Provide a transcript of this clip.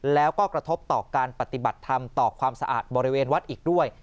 แล้วก็กระทบต่อการปฏิบัติธรรมต่อความสะอาดบริเวณวัดอีกด้วย